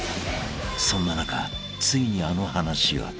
［そんな中ついにあの話が］